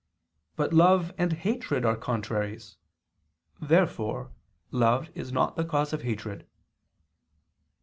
But love and hatred are contraries. Therefore love is not the cause of hatred.